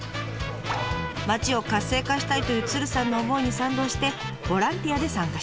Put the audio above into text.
町を活性化したいという鶴さんの思いに賛同してボランティアで参加しています。